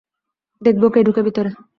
দেখবো, কে ঢুকে ভিতেরে।